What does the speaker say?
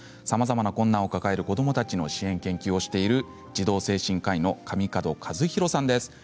さまざまな困難を抱える子どもたちの支援、研究をしている児童精神科医の上鹿渡和宏さんです。